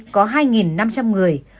có hai năm trăm linh người